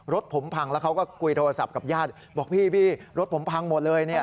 รถผมพังแล้วเขาก็คุยโทรศัพท์กับญาติบอกพี่รถผมพังหมดเลยเนี่ย